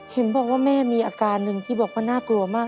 เห็นบอกว่าแม่มีอาการหนึ่งที่บอกว่าน่ากลัวมาก